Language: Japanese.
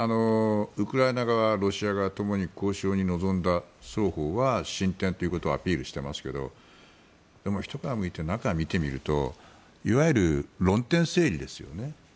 ウクライナ側、ロシア側ともに交渉に臨んだ双方は進展ということをアピールしていますがでも、ひと皮むいて中を見てみるといわゆる論点整理ですよね。